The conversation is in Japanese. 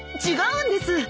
違うんです。